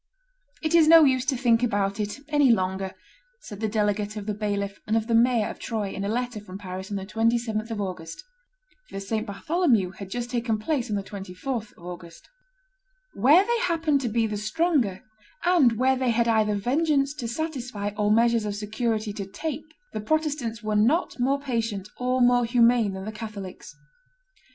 "It is no use to think about it any longer," said the delegate of the bailiff and of the mayor of Troyes, in a letter from Paris on the 27th of August. The St. Bartholomew had just taken place on the 24th of August. [Histoire de la Ville de Troyes, by H. Boutiot, t. iii. p. 25.] Where they happened to be the stronger, and where they had either vengeance to satisfy or measures of security to take, the Protestants were not more patient or more humane than the Catholics.